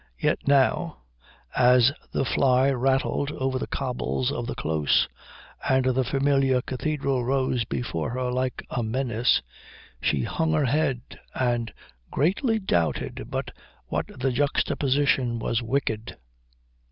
Yet now, as the fly rattled over the cobbles of the Close and the familiar cathedral rose before her like a menace, she hung her head and greatly doubted but what the juxtaposition was wicked.